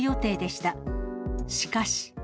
しかし。